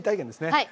はい。